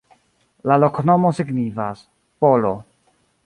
La loknomo signifas: polo.